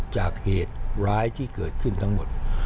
จากเหตุร้ายที่เกิดขึ้นทั้งหมด